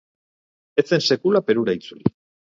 Ez zen sekula Perura itzuli.